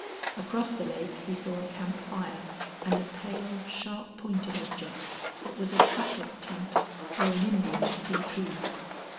Across the lake he saw a camp fire and a pale, sharp pointed object that was a trapper's tent or an Indian's tepee.